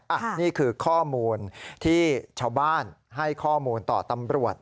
อันนี้คือข้อมูลที่ชาวบ้านให้ข้อมูลต่อตำรวจ